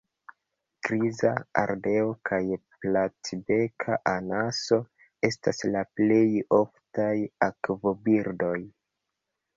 Griza ardeo kaj platbeka anaso estas la plej oftaj akvobirdoj.